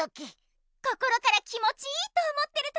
心から気もちいいと思ってる時。